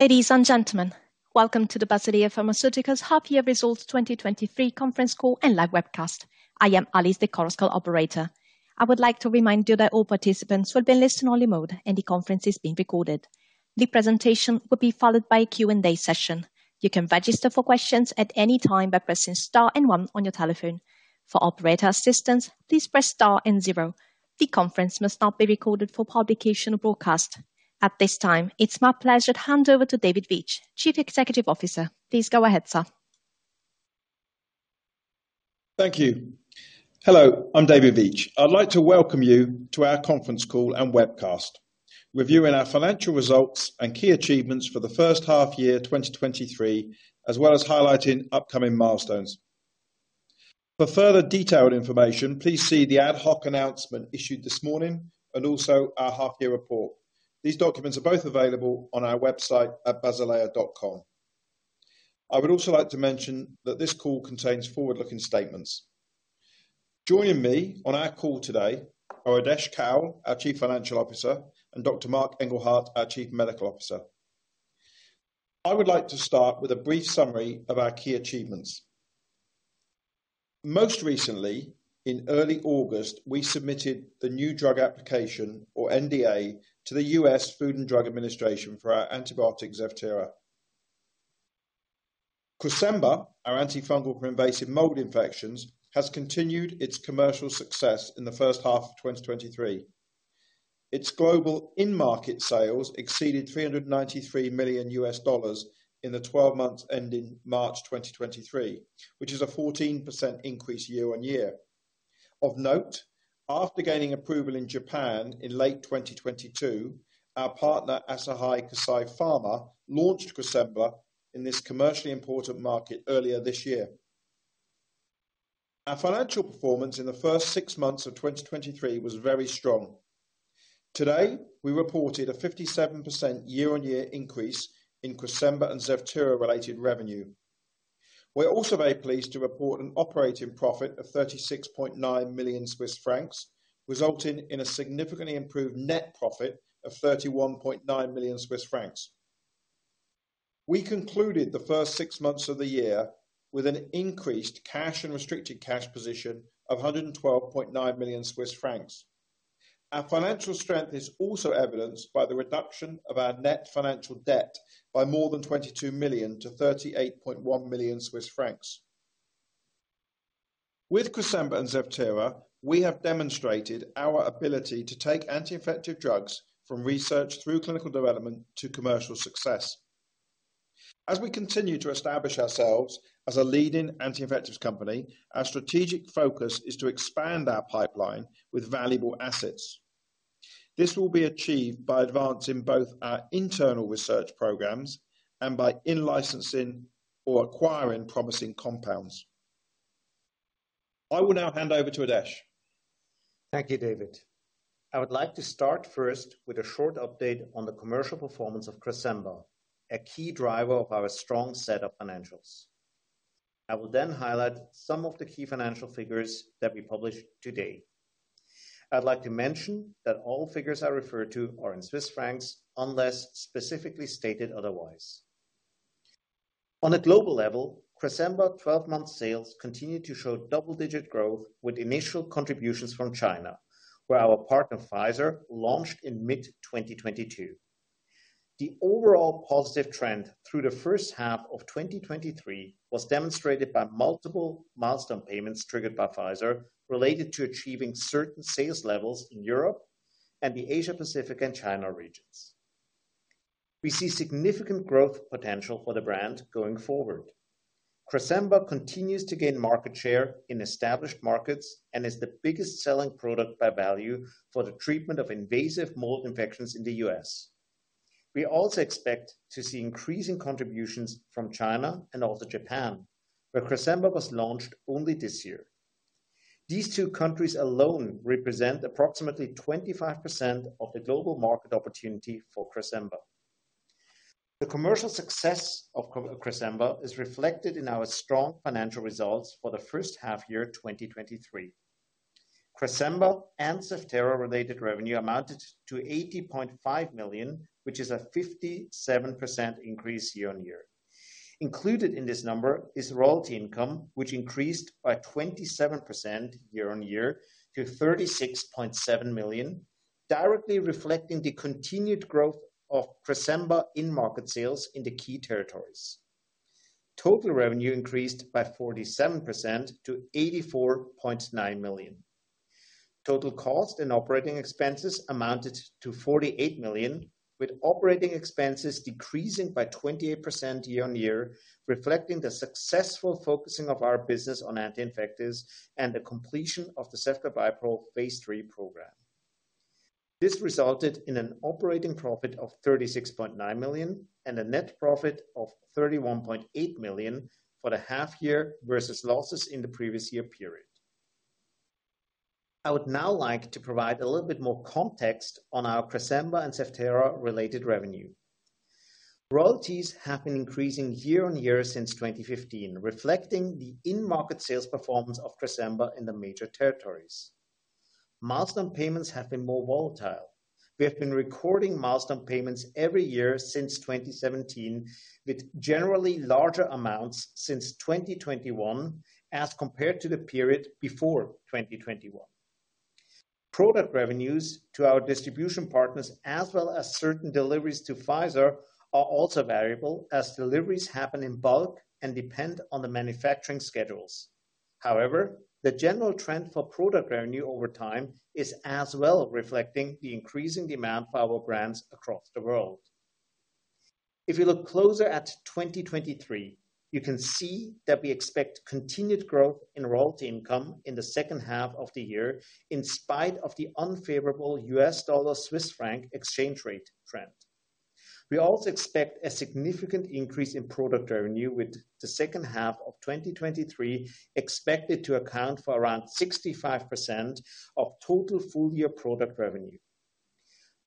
Ladies and gentlemen, welcome to the Basilea Pharmaceutica Half Year Results 2023 conference call and live webcast. I am Alice, the conference call operator. I would like to remind you that all participants will be in listen-only mode, and the conference is being recorded. The presentation will be followed by a Q&A session. You can register for questions at any time by pressing star and one on your telephone. For operator assistance, please press star and zero. The conference must not be recorded for publication or broadcast. At this time, it's my pleasure to hand over to David Veitch, Chief Executive Officer. Please go ahead, sir. Thank you. Hello, I'm David Veitch. I'd like to welcome you to our conference call and webcast, reviewing our financial results and key achievements for the first half year, 2023, as well as highlighting upcoming milestones. For further detailed information, please see the ad hoc announcement issued this morning and also our half year report. These documents are both available on our website at basilea.com. I would also like to mention that this call contains forward-looking statements. Joining me on our call today are Adesh Kaul, our Chief Financial Officer, and Dr. Marc Engelhardt, our Chief Medical Officer. I would like to start with a brief summary of our key achievements. Most recently, in early August, we submitted the new drug application or NDA to the U.S. Food and Drug Administration for our antibiotic, Zevtera. Cresemba, our antifungal for invasive mold infections, has continued its commercial success in the first half of 2023. Its global in-market sales exceeded $393 million in the 12 months ending March 2023, which is a 14% increase year-on-year. Of note, after gaining approval in Japan in late 2022, our partner, Asahi Kasei Pharma, launched Cresemba in this commercially important market earlier this year. Our financial performance in the first six months of 2023 was very strong. Today, we reported a 57% year-on-year increase in Cresemba and Zevtera-related revenue. We're also very pleased to report an operating profit of 36.9 million Swiss francs, resulting in a significantly improved net profit of 31.9 million Swiss francs. We concluded the first six months of the year with an increased cash and restricted cash position of Swiss francs 112.9 million. Our financial strength is also evidenced by the reduction of our net financial debt by more than Swiss francs 22 million to Swiss francs 38.1 million. With Cresemba and Zevtera, we have demonstrated our ability to take anti-infective drugs from research through clinical development to commercial success. As we continue to establish ourselves as a leading anti-infectives company, our strategic focus is to expand our pipeline with valuable assets. This will be achieved by advancing both our internal research programs and by in-licensing or acquiring promising compounds. I will now hand over to Adesh. Thank you, David. I would like to start first with a short update on the commercial performance of Cresemba, a key driver of our strong set of financials. I will then highlight some of the key financial figures that we published today. I'd like to mention that all figures I refer to are in Swiss francs, unless specifically stated otherwise. On a global level, Cresemba 12-month sales continued to show double-digit growth with initial contributions from China, where our partner, Pfizer, launched in mid-2022. The overall positive trend through the first half of 2023 was demonstrated by multiple milestone payments triggered by Pfizer, related to achieving certain sales levels in Europe and the Asia, Pacific, and China regions. We see significant growth potential for the brand going forward. Cresemba continues to gain market share in established markets and is the biggest selling product by value for the treatment of invasive mold infections in the US. We also expect to see increasing contributions from China and also Japan, where Cresemba was launched only this year. These two countries alone represent approximately 25% of the global market opportunity for Cresemba. The commercial success of Cresemba is reflected in our strong financial results for the first half year, 2023. Cresemba and Zevtera-related revenue amounted to 80.5 million, which is a 57% increase year on year. Included in this number is royalty income, which increased by 27% year-on-year to 36.7 million, directly reflecting the continued growth of Cresemba in-market sales in the key territories. Total revenue increased by 47% to 84.9 million. Total cost and operating expenses amounted to 48 million, with operating expenses decreasing by 28% year-on-year, reflecting the successful focusing of our business on anti-infectives and the completion of the ceftobiprole phase III program. This resulted in an operating profit of 36.9 million and a net profit of 31.8 million for the half year versus losses in the previous year period. I would now like to provide a little bit more context on our Cresemba and Zevtera-related revenue. Royalties have been increasing year-on-year since 2015, reflecting the in-market sales performance of Cresemba in the major territories.... Milestone payments have been more volatile. We have been recording milestone payments every year since 2017, with generally larger amounts since 2021, as compared to the period before 2021. Product revenues to our distribution partners, as well as certain deliveries to Pfizer, are also variable, as deliveries happen in bulk and depend on the manufacturing schedules. However, the general trend for product revenue over time is as well reflecting the increasing demand for our brands across the world. If you look closer at 2023, you can see that we expect continued growth in royalty income in the second half of the year, in spite of the unfavorable US dollar, Swiss franc exchange rate trend. We also expect a significant increase in product revenue, with the second half of 2023 expected to account for around 65% of total full-year product revenue.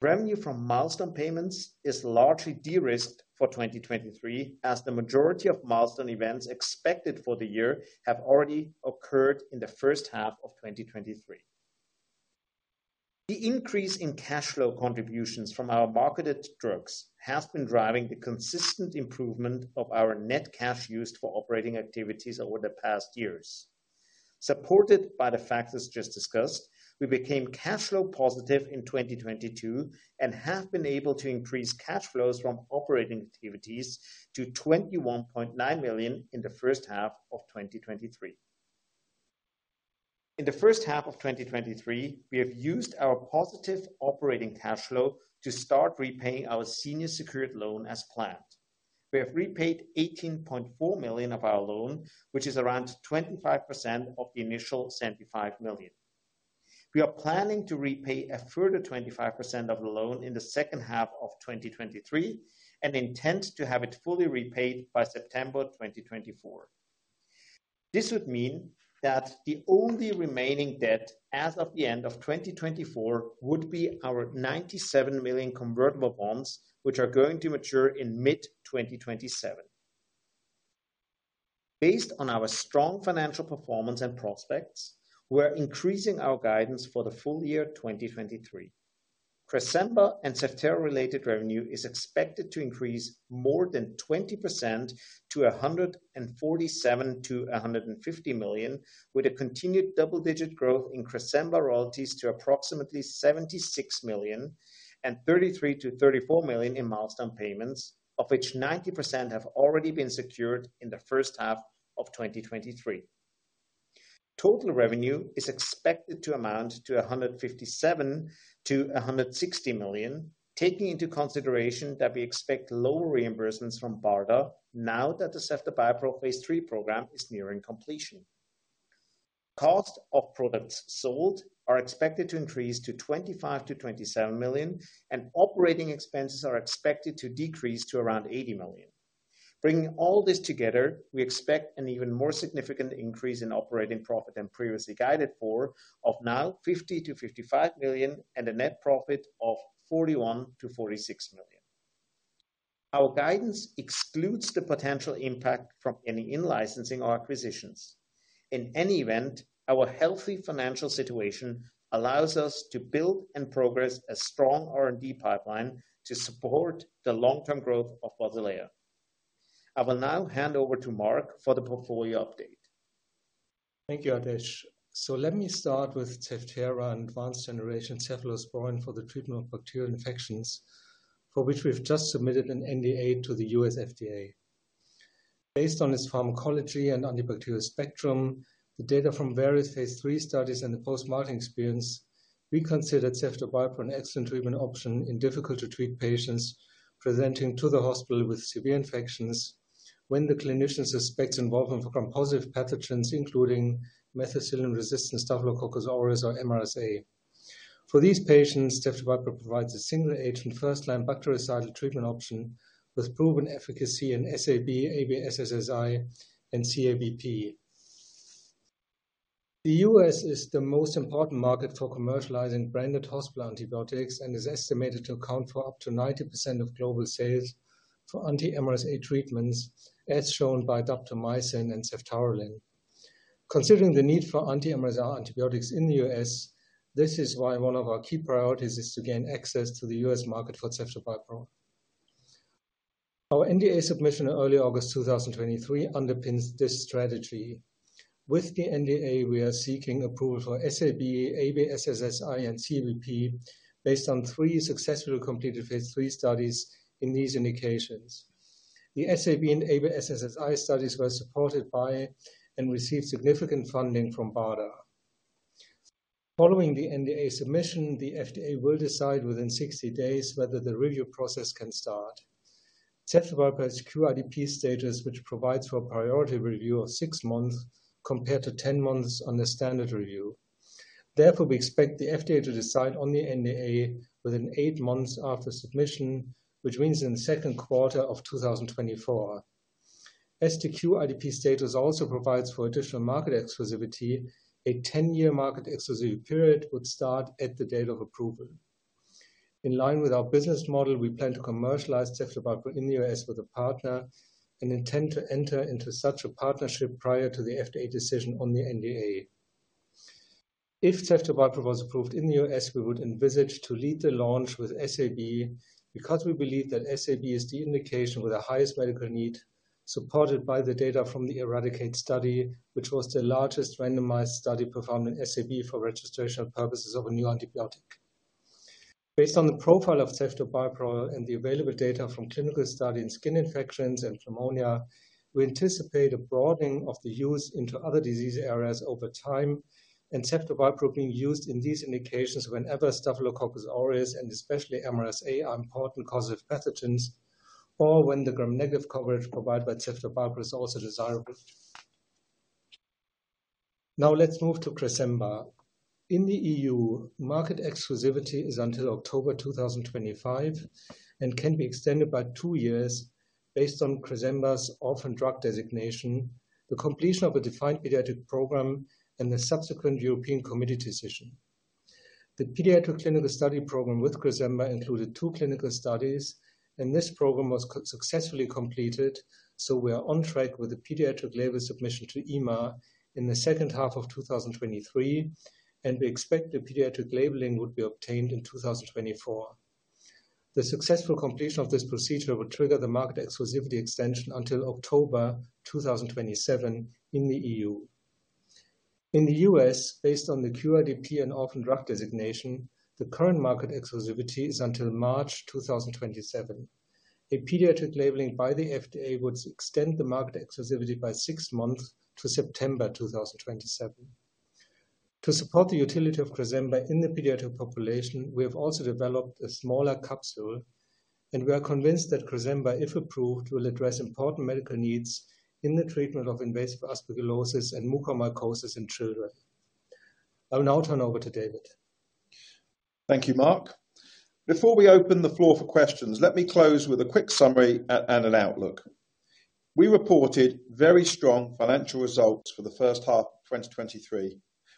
Revenue from milestone payments is largely de-risked for 2023, as the majority of milestone events expected for the year have already occurred in the first half of 2023. The increase in cash flow contributions from our marketed drugs has been driving the consistent improvement of our net cash used for operating activities over the past years. Supported by the factors just discussed, we became cash flow positive in 2022 and have been able to increase cash flows from operating activities to 21.9 million in the first half of 2023. In the first half of 2023, we have used our positive operating cash flow to start repaying our senior secured loan as planned. We have repaid 18.4 million of our loan, which is around 25% of the initial 75 million. We are planning to repay a further 25% of the loan in the second half of 2023, and intend to have it fully repaid by September 2024. This would mean that the only remaining debt as of the end of 2024 would be our $97 million convertible bonds, which are going to mature in mid-2027. Based on our strong financial performance and prospects, we're increasing our guidance for the full year, 2023. Cresemba and Zevtera-related revenue is expected to increase more than 20% to $147 million-$150 million, with a continued double-digit growth in Cresemba royalties to approximately $76 million and $33 million-$34 million in milestone payments, of which 90% have already been secured in the first half of 2023. Total revenue is expected to amount to $157 million-$160 million, taking into consideration that we expect lower reimbursements from BARDA now that the Ceftobiprole phase III program is nearing completion. Cost of products sold are expected to increase to 25 million-27 million, and operating expenses are expected to decrease to around 80 million. Bringing all this together, we expect an even more significant increase in operating profit than previously guided for, of now 50 million-55 million, and a net profit of 41 million-46 million. Our guidance excludes the potential impact from any in-licensing or acquisitions. In any event, our healthy financial situation allows us to build and progress a strong R&D pipeline to support the long-term growth of Basilea. I will now hand over to Marc for the portfolio update. Thank you, Adesh. Let me start with Zevtera and advanced generation cephalosporin for the treatment of bacterial infections, for which we've just submitted an NDA to the U.S. FDA. Based on its pharmacology and antibacterial spectrum, the data from various phase III studies and the post-marketing experience, we consider Ceftobiprole an excellent treatment option in difficult-to-treat patients presenting to the hospital with severe infections when the clinicians suspect involvement from Gram-positive pathogens, including methicillin-resistant Staphylococcus aureus or MRSA. For these patients, Ceftobiprole provides a single-agent, first-line bactericidal treatment option with proven efficacy in SAB, ABSSSI, and CABP. The U.S. is the most important market for commercializing branded hospital antibiotics and is estimated to account for up to 90% of global sales for anti-MRSA treatments, as shown by daptomycin and ceftaroline. Considering the need for anti-MRSA antibiotics in the US, this is why one of our key priorities is to gain access to the US market for ceftobiprole. Our NDA submission in early August 2023 underpins this strategy. With the NDA, we are seeking approval for SAB, ABSSSI, and CABP based on three successfully completed Phase III studies in these indications. The SAB and ABSSSI studies were supported by and received significant funding from BARDA. Following the NDA submission, the FDA will decide within 60 days whether the review process can start. ceftobiprole has QIDP status, which provides for a priority review of six months, compared to 10 months on the standard review. Therefore, we expect the FDA to decide on the NDA within eight months after submission, which means in the second quarter of 2024. As the QIDP status also provides for additional market exclusivity, a 10-year market exclusivity period would start at the date of approval. In line with our business model, we plan to commercialize ceftobiprole in the US with a partner, and intend to enter into such a partnership prior to the FDA decision on the NDA. If ceftobiprole was approved in the US, we would envisage to lead the launch with SAB, because we believe that SAB is the indication with the highest medical need, supported by the data from the ERADICATE study, which was the largest randomized study performed in SAB for registration purposes of a new antibiotic. Based on the profile of ceftobiprole and the available data from clinical study in skin infections and pneumonia, we anticipate a broadening of the use into other disease areas over time, and ceftobiprole being used in these indications whenever Staphylococcus aureus, and especially MRSA, are important causes of pathogens, or when the Gram-negative coverage provided by ceftobiprole is also desirable. Let's move to Cresemba. In the EU, market exclusivity is until October 2025 and can be extended by two years based on Cresemba's orphan drug designation, the completion of a defined pediatric program, and the subsequent European Commission decision. The pediatric clinical study program with Cresemba included two clinical studies, and this program was successfully completed, so we are on track with the pediatric label submission to EMA in the second half of 2023, and we expect the pediatric labeling would be obtained in 2024. The successful completion of this procedure will trigger the market exclusivity extension until October 2027 in the EU. In the U.S., based on the QIDP and orphan drug designation, the current market exclusivity is until March 2027. A pediatric labeling by the FDA would extend the market exclusivity by six months to September 2027. To support the utility of Cresemba in the pediatric population, we have also developed a smaller capsule. We are convinced that Cresemba, if approved, will address important medical needs in the treatment of invasive aspergillosis and mucormycosis in children. I will now turn over to David. Thank you, Marc. Before we open the floor for questions, let me close with a quick summary and an outlook. We reported very strong financial results for the first half of 2023,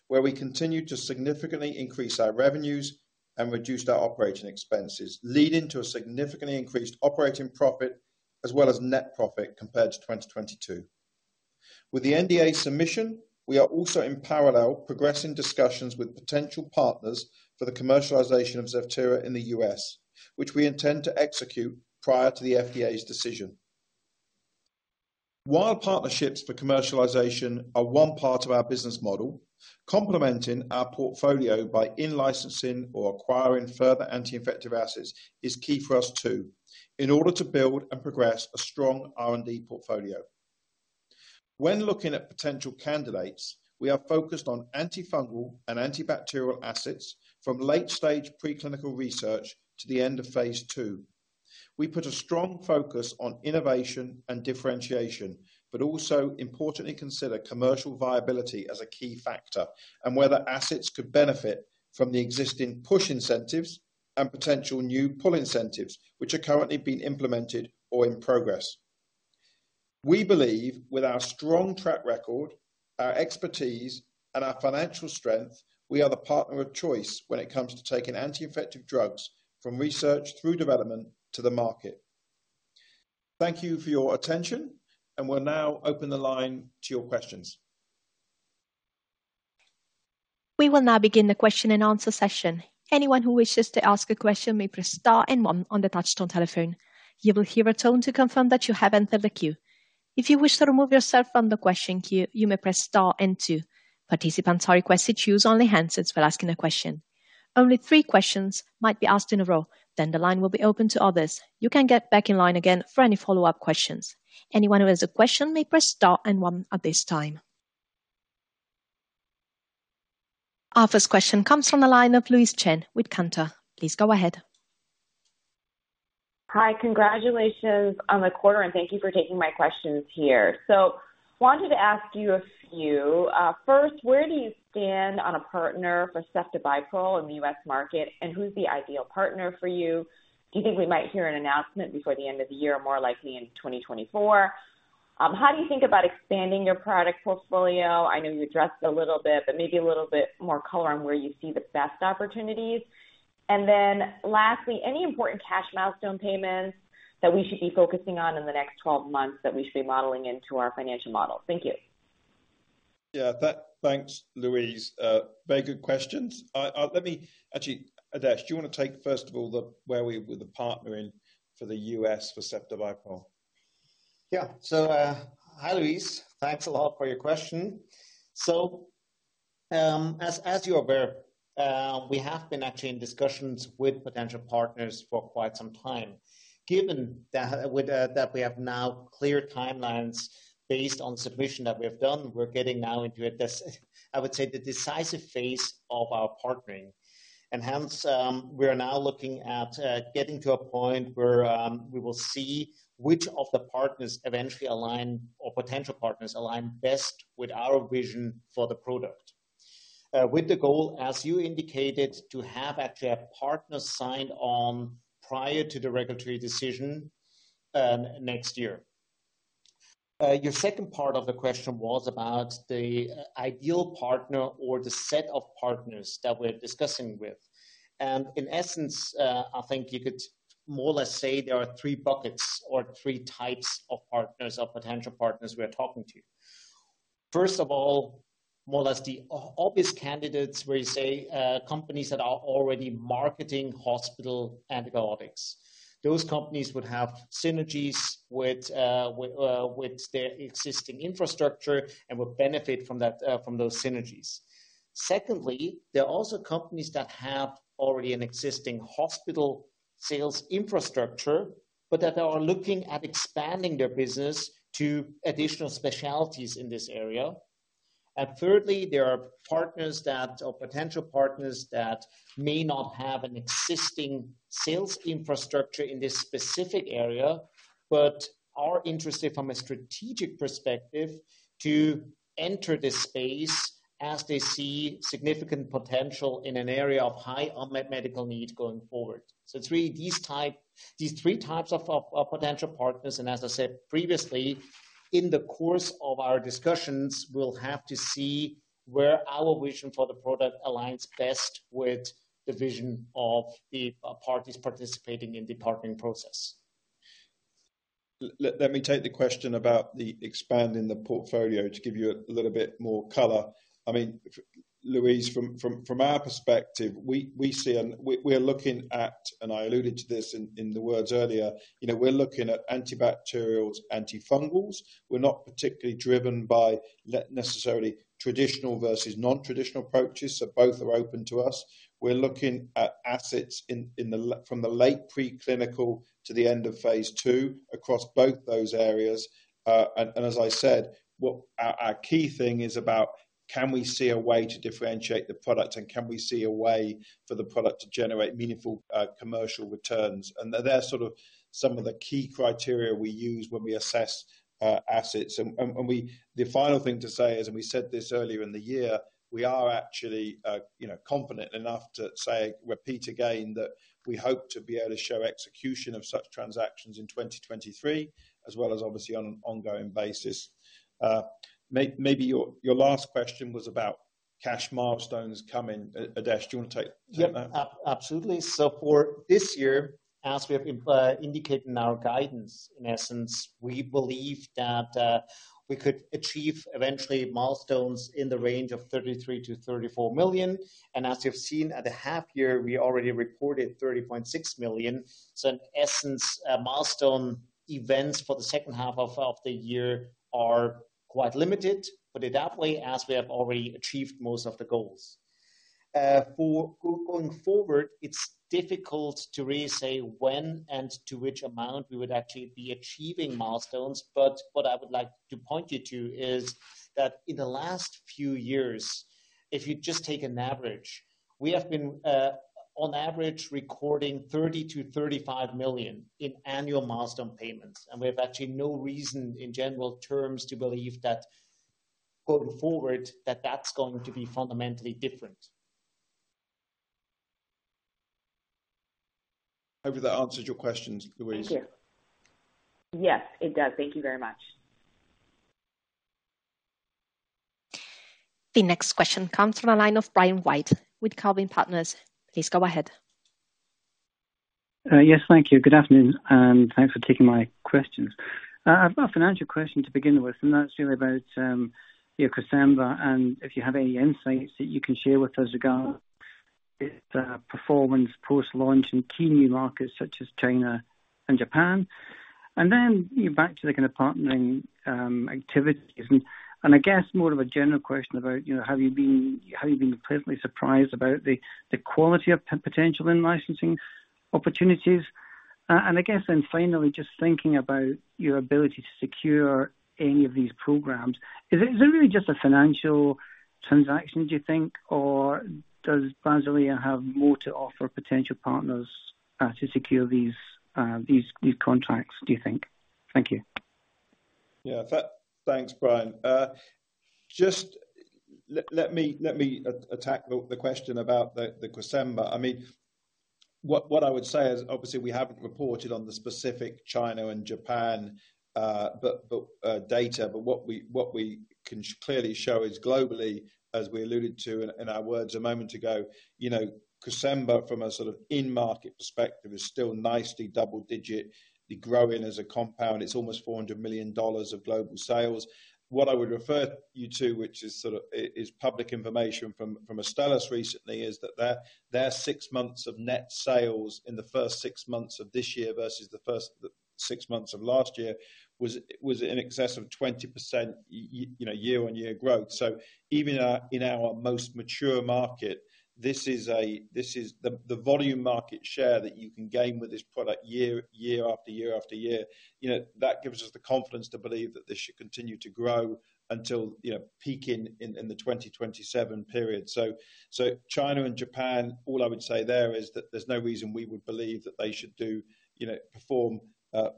where we continued to significantly increase our revenues and reduced our operating expenses, leading to a significantly increased operating profit as well as net profit compared to 2022. With the NDA submission, we are also in parallel, progressing discussions with potential partners for the commercialization of Zevtera in the US, which we intend to execute prior to the FDA's decision. While partnerships for commercialization are one part of our business model, complementing our portfolio by in-licensing or acquiring further anti-infective assets is key for us, too, in order to build and progress a strong R&D portfolio. When looking at potential candidates, we are focused on antifungal and antibacterial assets from late-stage preclinical research to the end of phase II. We put a strong focus on innovation and differentiation, but also importantly, consider commercial viability as a key factor, and whether assets could benefit from the existing push incentives and potential new pull incentives, which are currently being implemented or in progress. We believe with our strong track record, our expertise, and our financial strength, we are the partner of choice when it comes to taking anti-infective drugs from research through development to the market. Thank you for your attention, and we'll now open the line to your questions. We will now begin the question and answer session. Anyone who wishes to ask a question may press star and 1 on the touchtone telephone. You will hear a tone to confirm that you have entered the queue. If you wish to remove yourself from the question queue, you may press star and two. Participants are requested to use only handsets when asking a question. Only three questions might be asked in a row, then the line will be open to others. You can get back in line again for any follow-up questions. Anyone who has a question may press star and one at this time. Our first question comes from the line of Louise Chen with Cantor. Please go ahead. Hi, congratulations on the quarter, and thank you for taking my questions here. Wanted to ask you a few. First, where do you stand on a partner for ceftobiprole in the US market, and who's the ideal partner for you? Do you think we might hear an announcement before the end of the year, or more likely in 2024? How do you think about expanding your product portfolio? I know you addressed a little bit, but maybe a little bit more color on where you see the best opportunities. Lastly, any important cash milestone payments that we should be focusing on in the next 12 months that we should be modeling into our financial model? Thank you. Yeah, tha- thanks, Louise. Very good questions. Actually, Adesh, do you want to take, first of all, the where we are with the partnering for the U.S. for ceftobiprole? Yeah. Hi, Louise Chen. Thanks a lot for your question. As, as you are aware, we have been actually in discussions with potential partners for quite some time. Given that, with that we have now clear timelines based on submission that we have done, we're getting now into I would say, the decisive phase of our partnering. Hence, we are now looking at getting to a point where we will see which of the partners eventually align, or potential partners align best with our vision for the product. With the goal, as you indicated, to have actually a partner signed on prior to the regulatory decision, next year.... Your second part of the question was about the ideal partner or the set of partners that we're discussing with. And in essence, I think you could more or less say there are three buckets or three types of partners or potential partners we are talking to. First of all, more or less the obvious candidates, where you say, companies that are already marketing hospital antibiotics. Those companies would have synergies with, with, with their existing infrastructure and would benefit from that, from those synergies. Secondly, there are also companies that have already an existing hospital sales infrastructure, but that are looking at expanding their business to additional specialties in this area. Thirdly, there are partners that, or potential partners that may not have an existing sales infrastructure in this specific area, but are interested from a strategic perspective to enter this space as they see significant potential in an area of high unmet medical need going forward. These three types of potential partners, and as I said previously, in the course of our discussions, we'll have to see where our vision for the product aligns best with the vision of the parties participating in the partnering process. Let me take the question about expanding the portfolio to give you a little bit more color. I mean, Louise, from our perspective, we see and we're looking at, and I alluded to this in the words earlier, you know, we're looking at antibacterials, antifungals. We're not particularly driven by necessarily traditional versus non-traditional approaches, so both are open to us. We're looking at assets from the late preclinical to the end of phase two, across both those areas. As I said, what our key thing is about, can we see a way to differentiate the product, and can we see a way for the product to generate meaningful commercial returns? They're sort of some of the key criteria we use when we assess assets. The final thing to say is, and we said this earlier in the year, we are actually, you know, confident enough to say, repeat again, that we hope to be able to show execution of such transactions in 2023, as well as obviously on an ongoing basis. Maybe your, your last question was about cash milestones coming. Adesh, do you want to take that? Yep, absolutely. For this year, as we have indicated in our guidance, in essence, we believe that we could achieve eventually milestones in the range of 33 million-34 million. As you've seen at the half year, we already reported 30.6 million. In essence, milestone events for the second half of the year are quite limited, but adequately, as we have already achieved most of the goals. For going forward, it's difficult to really say when and to which amount we would actually be achieving milestones, but what I would like to point you to is that in the last few years, if you just take an average, we have been on average, recording 30 million-35 million in annual milestone payments. We have actually no reason, in general terms, to believe that going forward, that that's going to be fundamentally different. Hopefully that answers your questions, Louise. Thank you. Yes, it does. Thank you very much. The next question comes from the line of Brian White with Cowen Inc.. Please go ahead. Yes, thank you. Good afternoon, and thanks for taking my questions. I've a financial question to begin with, and that's really about your Cresemba, and if you have any insights that you can share with us regarding its performance, post-launch in key new markets such as China and Japan. You're back to the kind of partnering activities. I guess more of a general question about, you know, have you been pleasantly surprised about the quality of potential in licensing opportunities? I guess finally, just thinking about your ability to secure any of these programs. Is it really just a financial transaction, do you think? Or does Basilea have more to offer potential partners to secure these, these, these contracts, do you think? Thank you. Yeah. Thanks, Brian. Just let me, let me attack the, the question about the, the Cresemba. I mean, what, what I would say is, obviously, we haven't reported on the specific China and Japan, but, but, data. But what we, what we can clearly show is globally, as we alluded to in, in our words a moment ago, you know, Cresemba from a sort of in-market perspective, is still nicely double digit. Growing as a compound, it's almost $400 million of global sales. What I would refer you to, which is sort of... is public information from, from Astellas recently, is that their, their six months of net sales in the first six months of this year versus the first six months of last year, was, was in excess of 20% you know, year-on-year growth. Even in our, in our most mature market, this is a, this is the, the volume market share that you can gain with this product year, year, after year, after year. You know, that gives us the confidence to believe that this should continue to grow until, you know, peaking in, in the 2027 period. China and Japan, all I would say there is that there's no reason we would believe that they should do, you know, perform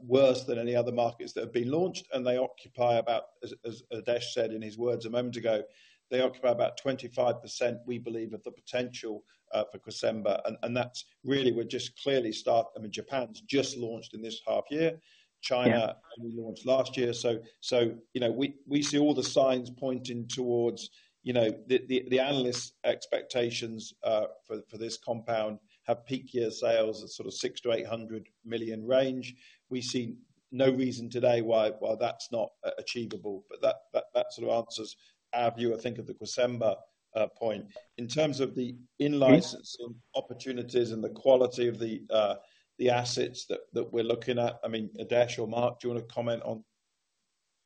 worse than any other markets that have been launched. They occupy about, as, as Adesh Kaul said in his words a moment ago, they occupy about 25%, we believe, of the potential for Cresemba. That's really we're just clearly start. I mean, Japan's just launched in this half year. China- Yeah. only launched last year. You know, we, we see all the signs pointing towards, you know, the, the, the analyst's expectations for, for this compound have peak year sales of sort of $600 million-$800 million range. We see no reason today why, why that's not achievable, but that, that, sort of, answers our view, I think, of the Cresemba point. In terms of the in-license opportunities and the quality of the assets that, that we're looking at, I mean, Adesh or Mark, do you want to comment on,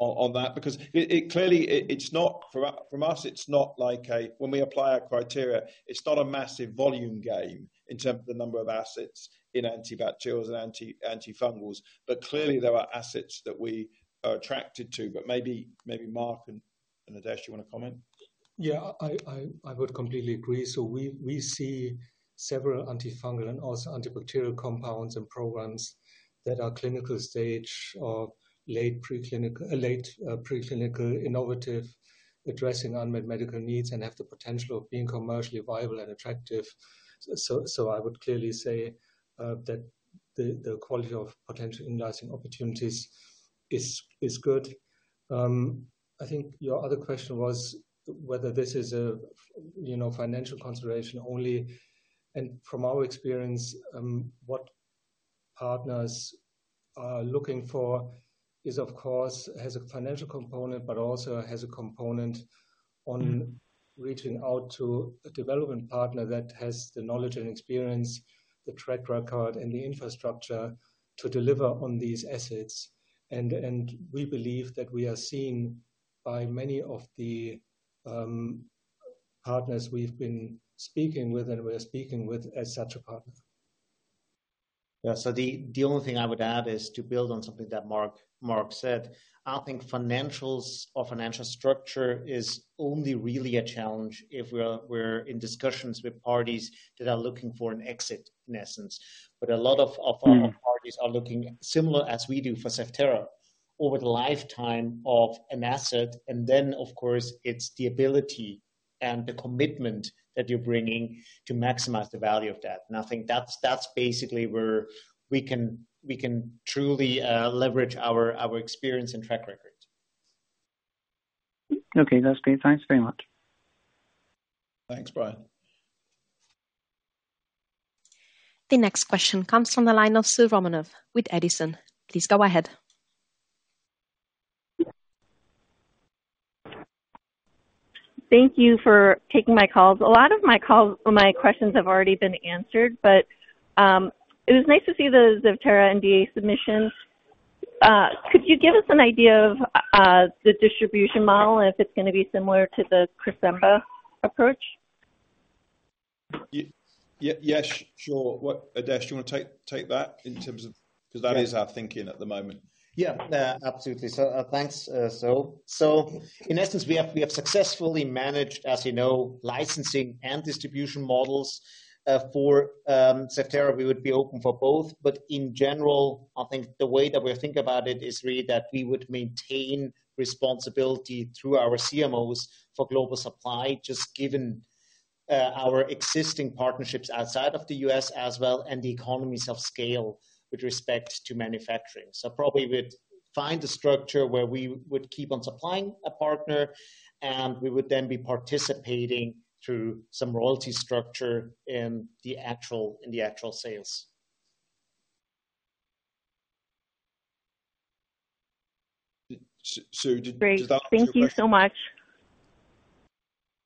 on, on that? Because it, it clearly it's not from us, it's not like a... When we apply our criteria, it's not a massive volume game in terms of the number of assets in antibacterials and antifungals, but clearly there are assets that we are attracted to. Maybe, maybe Marc and, and Adesh, you want to comment? Yeah, I, I, I would completely agree. We, we see several antifungal and also antibacterial compounds and programs that are clinical stage or late preclinical, innovative, addressing unmet medical needs and have the potential of being commercially viable and attractive. I would clearly say that the quality of potential in-licensing opportunities is good. I think your other question was whether this is a, you know, financial consideration only. From our experience, what partners are looking for is, of course, has a financial component, but also has a component on reaching out to a development partner that has the knowledge and experience, the track record, and the infrastructure to deliver on these assets. We believe that we are seen by many of the partners we've been speaking with, and we're speaking with, as such a partner. Yeah, the, the only thing I would add is to build on something that Marc, Marc said. I think financials or financial structure is only really a challenge if we're, we're in discussions with parties that are looking for an exit, in essence. A lot of, of our parties are looking similar as we do for Zevtera, over the lifetime of an asset, and then, of course, it's the ability and the commitment that you're bringing to maximize the value of that. I think that's, that's basically where we can, we can truly leverage our, our experience and track record. Okay, that's great. Thanks very much. Thanks, Brian. The next question comes from the line of Soo Romanoff with Edison. Please go ahead. Thank you for taking my calls. A lot of my calls or my questions have already been answered, but it was nice to see the Zevtera NDA submissions. Could you give us an idea of the distribution model, and if it's gonna be similar to the Cresemba approach? Yes, sure. What... Adesh, do you want to take that in terms of- Yeah. because that is our thinking at the moment. Yeah, absolutely. Thanks, Soo. In essence, we have, we have successfully managed, as you know, licensing and distribution models for Zevtera. We would be open for both. In general, I think the way that we think about it is really that we would maintain responsibility through our CMOs for global supply, just given our existing partnerships outside of the U.S. as well, and the economies of scale with respect to manufacturing. Probably we'd find a structure where we would keep on supplying a partner, and we would then be participating through some royalty structure in the actual, in the actual sales. Soo, Great. Did that answer your question? Thank you so much.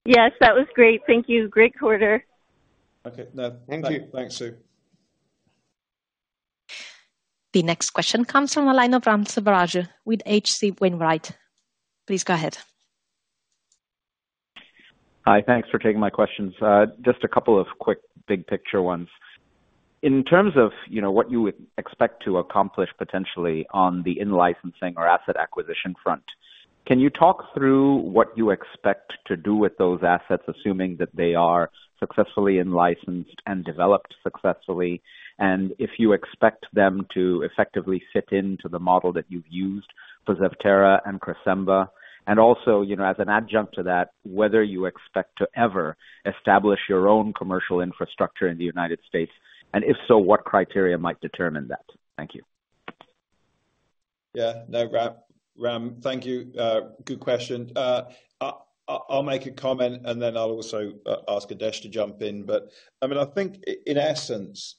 Yes, that was great. Thank you. Great quarter. Okay. Yeah. Thank you. Thanks, Soo. The next question comes from the line of Ram Selvaraju with H.C. Wainwright. Please go ahead. Hi, thanks for taking my questions. Just a couple of quick big-picture ones. In terms of, you know, what you would expect to accomplish potentially on the in-licensing or asset acquisition front, can you talk through what you expect to do with those assets, assuming that they are successfully in-licensed and developed successfully, and if you expect them to effectively fit into the model that you've used for Zevtera and Cresemba? Also, you know, as an adjunct to that, whether you expect to ever establish your own commercial infrastructure in the U.S., and if so, what criteria might determine that? Thank you.... Yeah. No, Ram, Ram, thank you. Good question. I'll make a comment, and then I'll also ask Adesh to jump in. I mean, I think in essence,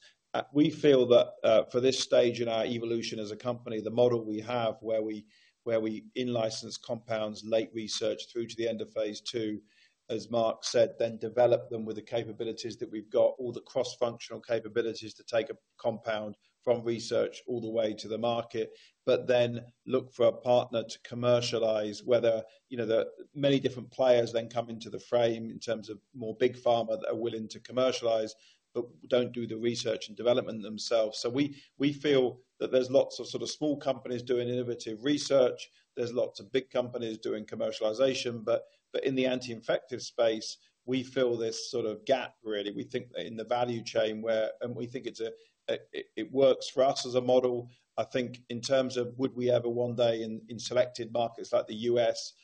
we feel that for this stage in our evolution as a company, the model we have, where we, where we in-license compounds, late research through to the end of phase 2, as Mark said, then develop them with the capabilities that we've got, all the cross-functional capabilities to take a compound from research all the way to the market, but then look for a partner to commercialize, whether, you know, the many different players then come into the frame in terms of more big pharma that are willing to commercialize, but don't do the research and development themselves. We, we feel that there's lots of sort of small companies doing innovative research. There's lots of big companies doing commercialization, but, but in the anti-infective space, we fill this sort of gap, really. We think that in the value chain and we think it's a, it, it works for us as a model. I think in terms of would we ever one day in, in selected markets like the U.S.,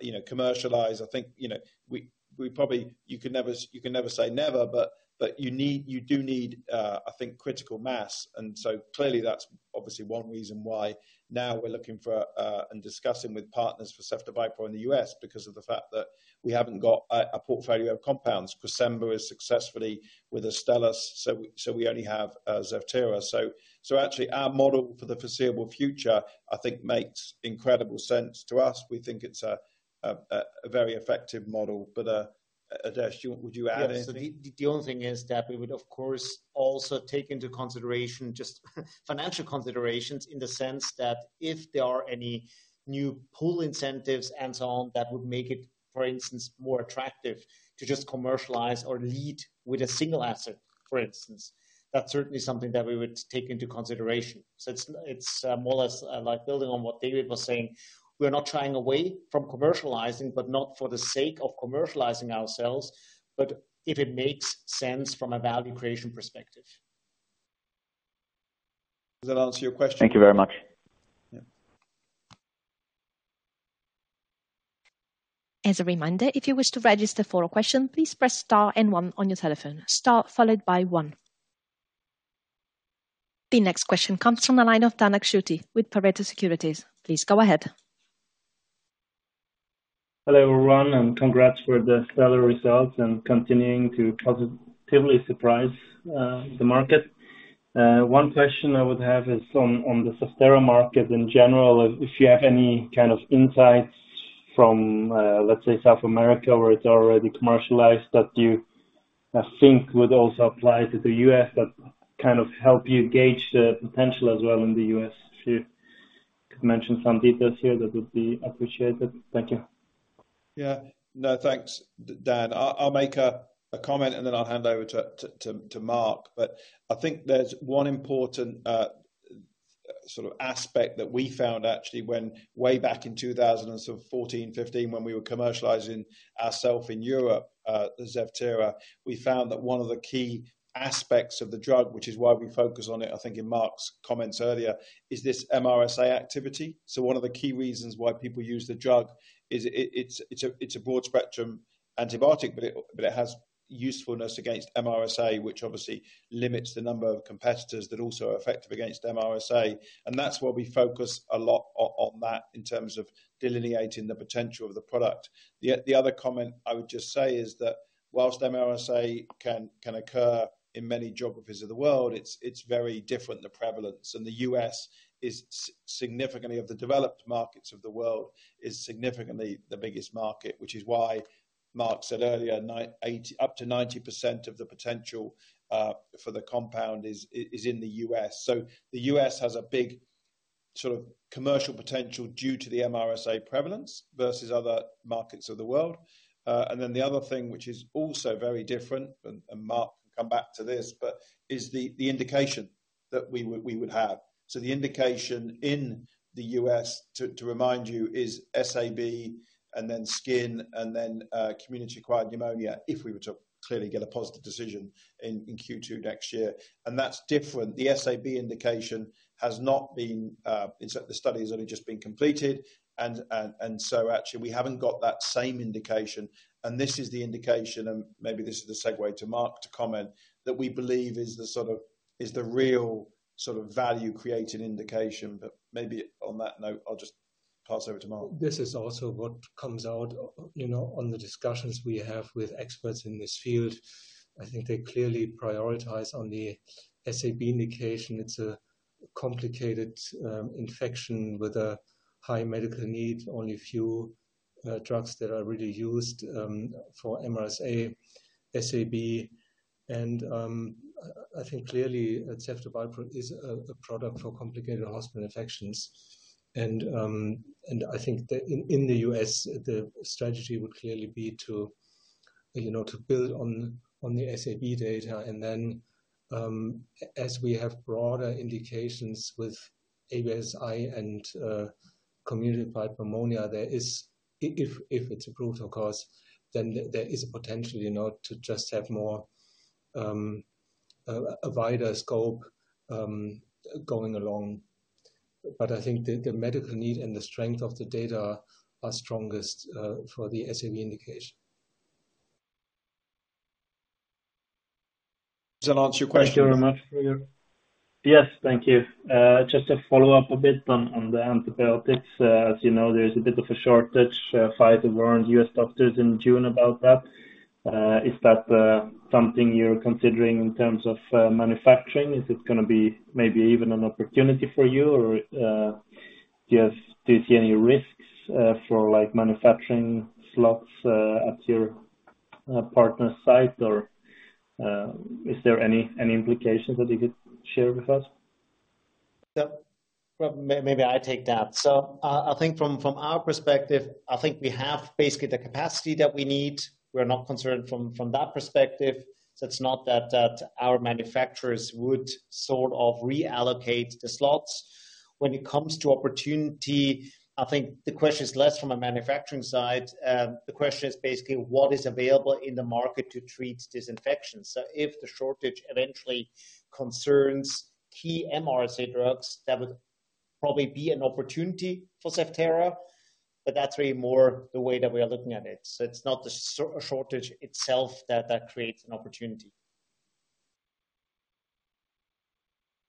you know, commercialize? I think, you know, we, we probably... You can never, you can never say never, but, but you need-- you do need, I think, critical mass. So clearly, that's obviously one reason why now we're looking for, and discussing with partners for ceftobiprole in the U.S., because of the fact that we haven't got a, a portfolio of compounds. Cresemba is successfully with Astellas, so we, so we only have, Zevtera. So actually our model for the foreseeable future, I think makes incredible sense to us. We think it's a very effective model. Adesh, would you add anything? The, the only thing is that we would, of course, also take into consideration just financial considerations, in the sense that if there are any new pull incentives and so on, that would make it, for instance, more attractive to just commercialize or lead with a single asset, for instance. That's certainly something that we would take into consideration. It's, it's, more or less, like building on what David was saying. We're not shying away from commercializing, but not for the sake of commercializing ourselves, but if it makes sense from a value creation perspective. Does that answer your question? Thank you very much. Yeah. As a reminder, if you wish to register for a question, please press star and one on your telephone. Star followed by one. The next question comes from the line of Dan Akschuti with Pareto Securities. Please go ahead. Hello, everyone, and congrats for the stellar results and continuing to positively surprise the market. One question I would have is on, on the Zevtera market in general, if you have any kind of insights from, let's say, South America, where it's already commercialized, that you, I think would also apply to the U.S., that kind of help you gauge the potential as well in the U.S. If you could mention some details here, that would be appreciated. Thank you. Yeah. No, thanks, Dan. I'll, I'll make a, a comment, and then I'll hand over to, to, to, to Marc. I think there's one important sort of aspect that we found actually, when way back in 2014, 2015, when we were commercializing ourself in Europe, the Zevtera, we found that one of the key aspects of the drug, which is why we focus on it, I think in Mark's comments earlier, is this MRSA activity. One of the key reasons why people use the drug is it, it's, it's a, it's a broad-spectrum antibiotic, but it, but it has usefulness against MRSA, which obviously limits the number of competitors that also are effective against MRSA. That's why we focus a lot on, on that in terms of delineating the potential of the product. The other comment I would just say is that whilst MRSA can occur in many geographies of the world, it's very different, the prevalence. The US is significantly, of the developed markets of the world, is significantly the biggest market, which is why Marc said earlier, up to 90% of the potential for the compound is in the US. The US has a big sort of commercial potential due to the MRSA prevalence versus other markets of the world. Then the other thing, which is also very different, and Marc can come back to this, but is the indication that we would have. The indication in the U.S., to remind you, is SAB and then skin, and then community-acquired pneumonia, if we were to clearly get a positive decision in Q2 next year. That's different. The SAB indication has not been. The study has only just been completed. Actually, we haven't got that same indication. This is the indication, and maybe this is the segue to Marc to comment, that we believe is the sort of, is the real sort of value-creating indication. Maybe on that note, I'll just pass over to Marc. This is also what comes out, you know, on the discussions we have with experts in this field. I think they clearly prioritize on the SAB indication. It's a complicated infection with a high medical need, only a few drugs that are really used for MRSA, SAB. I think clearly, ceftobiprole is a, a product for complicated hospital infections. And I think that in the US, the strategy would clearly be to, you know, to build on, on the SAB data, and then, as we have broader indications with ABSSSI and community-acquired pneumonia, there is. If it's approved, of course, then there is a potential, you know, to just have more, a wider scope, going along. I think the, the medical need and the strength of the data are strongest for the SAB indication.... Does that answer your question? Thank you very much for your- Yes, thank you. Just to follow up a bit on, on the antibiotics. As you know, there's a bit of a shortage, Pfizer warned U.S. doctors in June about that. Is that, something you're considering in terms of, manufacturing? Is it gonna be maybe even an opportunity for you? Or, just do you see any risks, for, like, manufacturing slots, at your, partner site? Or, is there any, any implications that you could share with us? Yeah. Well, maybe I take that. I think from our perspective, I think we have basically the capacity that we need. We're not concerned from that perspective. It's not that our manufacturers would sort of reallocate the slots. When it comes to opportunity, I think the question is less from a manufacturing side. The question is basically, what is available in the market to treat this infection? If the shortage eventually concerns key MRSA drugs, that would probably be an opportunity for Zevtera, but that's really more the way that we are looking at it. It's not the shortage itself that creates an opportunity.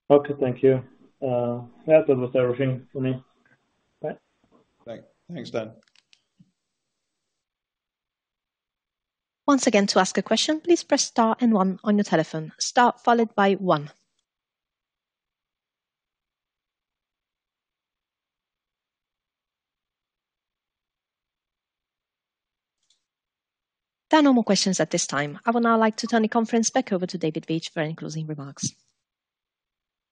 Okay, thank you. Yeah, that was everything for me. Bye. Great. Thanks, Dan. Once again, to ask a question, please press star and one on your telephone. Star followed by one. There are no more questions at this time. I would now like to turn the conference back over to David Veitch for any closing remarks.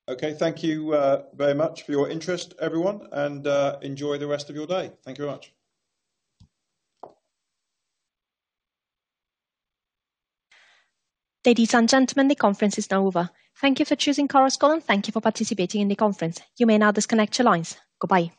Okay, thank you, very much for your interest, everyone, and, enjoy the rest of your day. Thank you very much. Ladies and gentlemen, the conference is now over. Thank you for choosing Chorus Call. Thank you for participating in the conference. You may now disconnect your lines. Goodbye.